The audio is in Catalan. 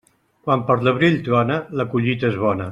Quan per l'abril trona, la collita és bona.